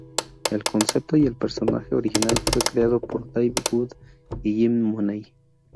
El concepto, y el personaje original, fue creado por Dave Wood y Jim Mooney.